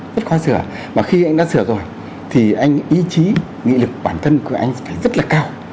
rất khó sửa mà khi anh đã sửa rồi thì anh ý chí nghị lực bản thân của anh phải rất là cao